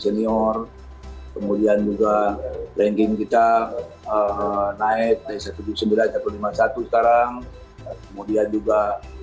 senior kemudian juga ranking kita naik dari tujuh puluh sembilan lima puluh satu sekarang kemudian juga